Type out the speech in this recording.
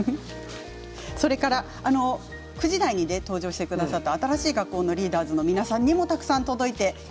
９時台に登場してくださった新しい学校のリーダーズの皆さんにもたくさん届いています。